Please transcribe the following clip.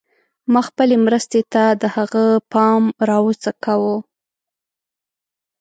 ما خپلې مرستې ته د هغه پام راوڅکاوه.